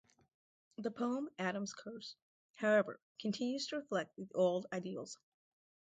The poem "Adam's Curse", however, continues to reflect the old ideals.